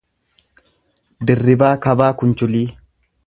Dirribaa Kabaa Kunchulii